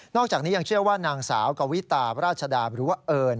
นอกจากนี้ก็ยังเชื่อว่านางสาวกวิตาราชดาบิรุเอน